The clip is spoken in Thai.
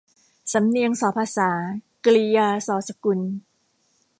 สำเนียงส่อภาษา กิริยาส่อสกุล